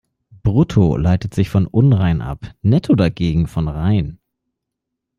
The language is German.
Brutto leitet sich von "unrein" ab, netto dagegen von "rein".